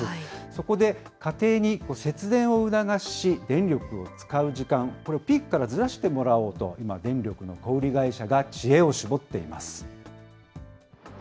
そこで、家庭に節電を促し、電力を使う時間、これをピークからずらしてもらおうと、今、電力の小売り会社が知恵を絞っています。